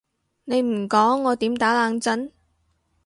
你唔講我點打冷震？